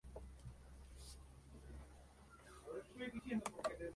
En los casos en que exista trombosis venosa profunda, se deben utilizar anticoagulantes.